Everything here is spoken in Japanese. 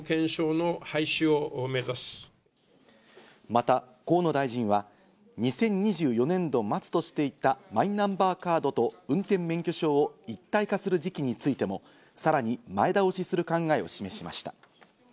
また河野大臣は２０２４年度末としていたマイナンバーカードと運転免許証を一体化する時期についても、さらに前倒しする考えを示しました。